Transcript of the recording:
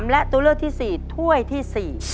และตัวเลือกที่๔ถ้วยที่๔